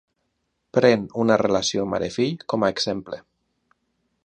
Pren una relació mare-fill com a exemple.